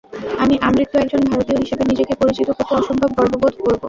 আমি আমৃত্যু একজন ভারতীয় হিসেবে নিজেকে পরিচিত করতে অসম্ভব গর্ববোধ করব।